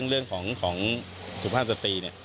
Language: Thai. เรื่องของสุภาพสตรี